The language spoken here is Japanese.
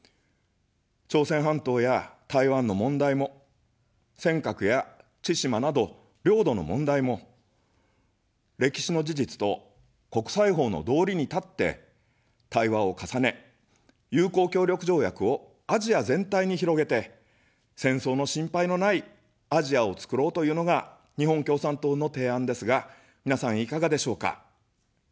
朝鮮半島や台湾の問題も、尖閣や千島など領土の問題も、歴史の事実と国際法の道理に立って、対話を重ね、友好協力条約をアジア全体に広げて、戦争の心配のないアジアをつくろうというのが日本共産党の提案ですが、みなさんいかがでしょうか。